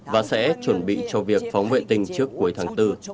và sẽ chuẩn bị cho việc phóng vệ tinh trước cuối tháng bốn